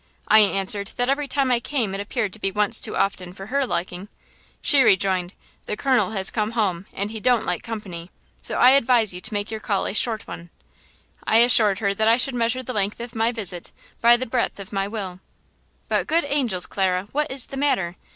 I answered that every time I came it appeared to be once too often for her liking. She rejoined, 'The colonel has come home, and he don't like company, so I advise you to make your call a short one.' I assured her that I should measure the length of my visit by the breadth of my will–But good angels, Clara! what is the matter?